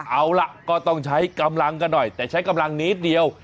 เอาล่ะก็ต้องใช้กำลังกันหน่อยแต่ใช้กำลังนิดเดียว